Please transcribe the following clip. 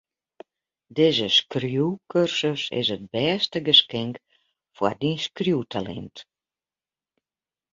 Dizze skriuwkursus is it bêste geskink foar dyn skriuwtalint.